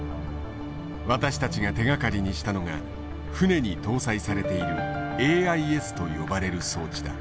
私たちが手がかりにしたのが船に搭載されているＡＩＳと呼ばれる装置だ。